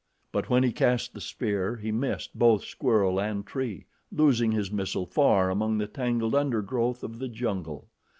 But when he cast the spear, he missed both squirrel and tree, losing his missile far among the tangled undergrowth of the jungle.